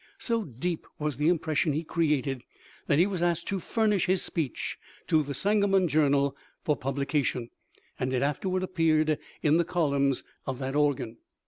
So deep was the impression he created that he was asked to furnish his speech to the Sangamon Journal for publication, and it afterwards appeared in the columns of that organ.